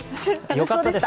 良かったです！